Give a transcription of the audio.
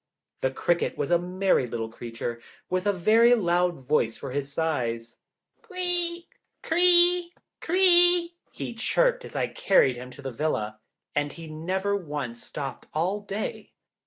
The cricket was a merry little creature, with a very loud voice for his size. "Cree cree cree!" he chirped, as I carried him to the villa, and he never once stopped all day.